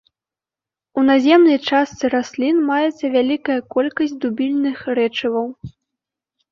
У наземнай частцы раслін маецца вялікая колькасць дубільных рэчываў.